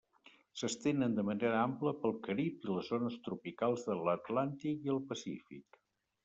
S'estenen de manera ampla pel Carib, i les zones tropicals de l'Atlàntic i el Pacífic.